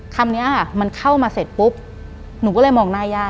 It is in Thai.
คำนี้ค่ะมันเข้ามาเสร็จปุ๊บหนูก็เลยมองหน้าย่า